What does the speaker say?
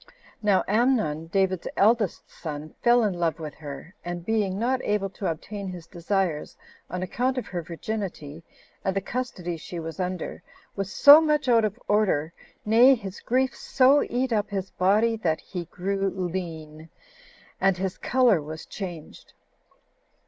Now Amnon, David's eldest son, fell in love with her, and being not able to obtain his desires, on account of her virginity, and the custody she was under, was so much out of order, nay, his grief so eat up his body, that he grew lean, and his color was changed.